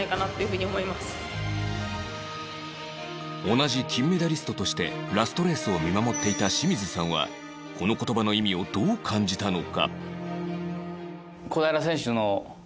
同じ金メダリストとしてラストレースを見守っていた清水さんはこの言葉の意味をどう感じたのか？